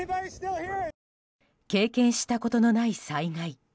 経験したことのない災害。